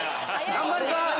頑張るぞ！